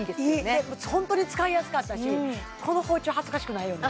いいホントに使いやすかったしこの包丁恥ずかしくないよね